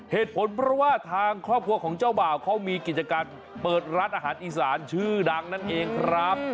เหตุผลเพราะว่าทางครอบครัวของเจ้าบ่าวเขามีกิจการเปิดร้านอาหารอีสานชื่อดังนั่นเองครับ